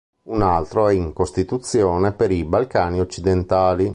Un altro è in costituzione per i Balcani occidentali.